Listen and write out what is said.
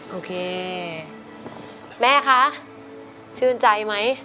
โอเคแม่คะชื่นใจไหม